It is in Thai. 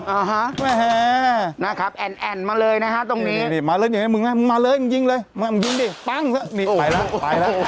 อ่าฮะนะครับแอ่นมาเลยนะฮะตรงนี้นี่มาเลยมึงมาเลยมึงยิงเลยมึงยิงดิปั๊งนี่ไปแล้วไปแล้ว